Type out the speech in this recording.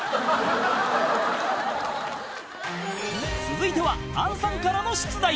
［続いては杏さんからの出題］